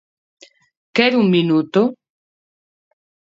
¿Quere un minuto?